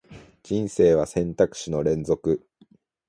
人生は選択肢の連続